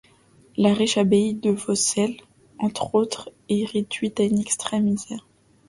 La riche abbaye de Vaucelles, entre autres, est réduite à une extrême misère.